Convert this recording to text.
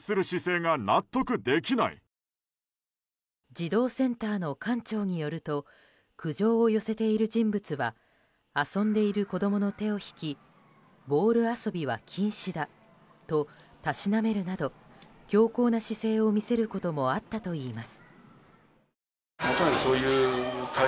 児童センターの館長によると苦情を寄せている人物は遊んでいる子供の手を引きボール遊びは禁止だとたしなめるなど強硬な姿勢を見せることもあったといいます。